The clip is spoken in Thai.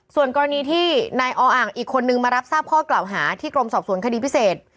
ส่วนกรณีที่นายออ่างอีกคนนึงมารับทราบข้อกล่าวหาที่กรมสอบสวนคดีพิเศษ